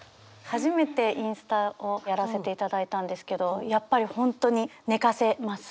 初めてインスタをやらせていただいたんですけどやっぱり本当に寝かせます。